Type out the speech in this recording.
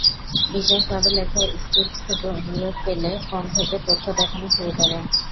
বিশেষভাবে লেখা স্ক্রিপ্ট থেকে অনুরোধ পেলে ফোন থেকে তথ্য দেখানো শুরু করে।